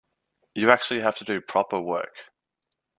You actually have to do proper work.